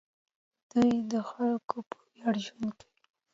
د دوی خلک په ویاړ ژوند کوي.